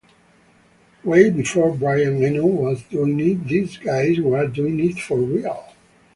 Way before Brian Eno was doing it, these guys were doing it for real.